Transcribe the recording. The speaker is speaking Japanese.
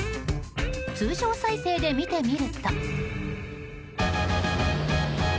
通常再生で見てみると。